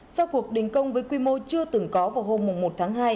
sau cuộc đình công với quy mô chưa từng có vào hôm một tháng hai